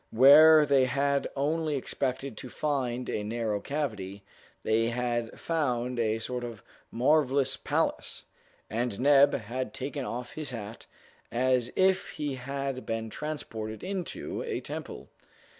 Where they had only expected to find a narrow cavity, they had found a sort of marvelous palace, and Neb had taken off his hat, as if he had been transported into a temple!